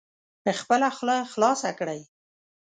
خپله خوله خلاصه کړئ